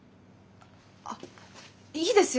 あっいいですよ